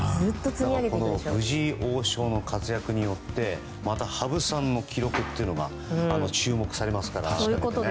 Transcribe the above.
藤井王将の活躍によってまた羽生さんの記録というのが注目されますから。